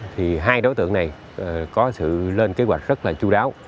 thì hai đối tượng này có sự lên kế hoạch rất là chú đáo